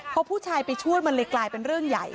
พอผู้ชายไปช่วยมันเลยกลายเป็นเรื่องใหญ่